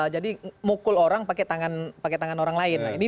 jadi mukul orang pakai tangan orang lain